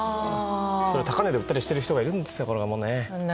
それを高値で売ったりしてる人がいるんですよ。